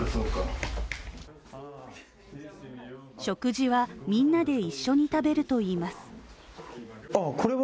食事はみんなで一緒に食べるといいます。